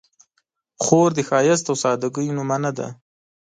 خور د ښایست او سادګۍ نمونه ده.